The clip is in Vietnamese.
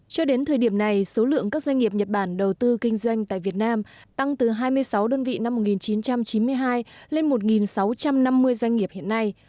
cho đến thời điểm này số lượng các doanh nghiệp nhật bản đầu tư kinh doanh tại việt nam tăng từ hai mươi sáu đơn vị năm một nghìn chín trăm chín mươi hai lên một sáu trăm năm mươi doanh nghiệp hiện nay